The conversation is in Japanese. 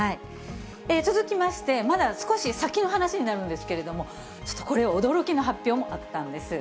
続きまして、まだ少し先の話になるんですけれども、ちょっとこれ、驚きの発表もあったんです。